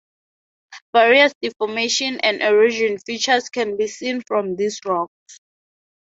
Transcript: Various deformation and erosion features can be seen from these rocks.